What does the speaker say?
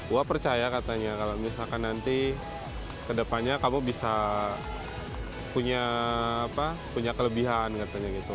wah percaya katanya kalau misalkan nanti kedepannya kamu bisa punya kelebihan katanya gitu